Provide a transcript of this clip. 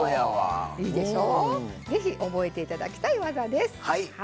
ぜひ覚えていただきたい技です。